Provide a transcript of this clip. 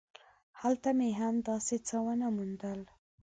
هلته مې هم داسې څه ونه موندل.